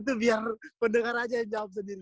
itu biar pendengar aja yang jawab sendiri